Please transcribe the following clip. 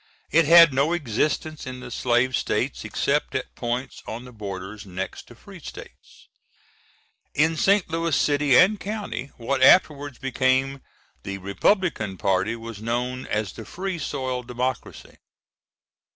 It had no existence in the Slave States except at points on the borders next to Free States. In St. Louis city and county what afterwards became the Republican party was known as the Free Soil Democracy."